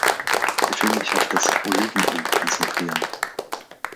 Ich will mich auf das Olivenöl konzentrieren.